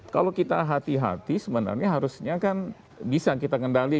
kalau kita hati hati sebenarnya harusnya kan bisa kita kendali